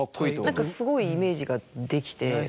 何かすごいイメージができて。